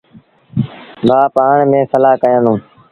ڀآن پآڻ ميݩ سلآه ڪيآݩدوݩ۔